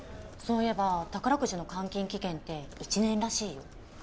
そういえば宝くじの換金期限って１年らしいよ。